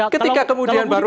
ketika kemudian baru